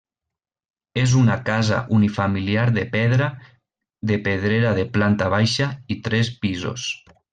És una casa unifamiliar de pedra de pedrera de planta baixa i tres pisos.